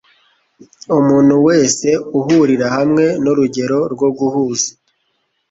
Umuntu wese uhurira hamwe ni urugero rwo guhuza.